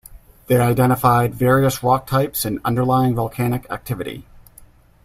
They identified various rock types and underlying volcanic activity.